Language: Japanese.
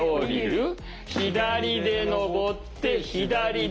左で上って左で。